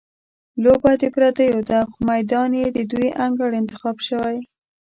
لوبه د پردیو ده، خو میدان یې د دوی انګړ انتخاب شوی.